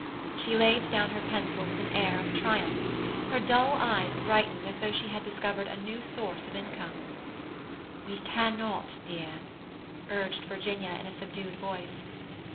She laid down her pencil with an air of triumph. Her dull eyes brightened as though she had discovered a new source of income. "We cannot, dear," urged Virginia in a subdued voice.